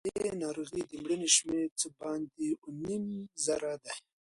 له دې ناروغۍ د مړینې شمېر څه باندې اووه نیم زره دی.